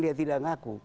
dia tidak ngaku